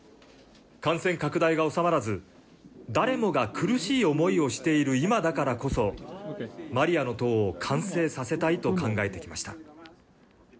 感染拡大が収まらず、誰もが苦しい思いをしている今だからこそ、マリアの塔を完成させたいと考えてきました。